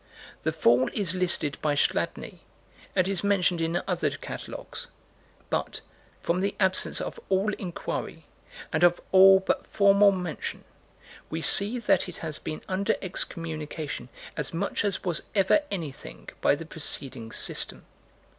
The fall is listed by Chladni, and is mentioned in other catalogues, but, from the absence of all inquiry, and of all but formal mention, we see that it has been under excommunication as much as was ever anything by the preceding system.